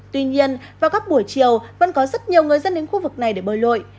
tuy nhiên vào các buổi chiều vẫn có rất nhiều người dân đến khu vực này để bơi lội